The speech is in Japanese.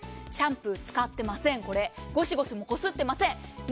シャンプー使ってません、これ、ごしごしもこすってません。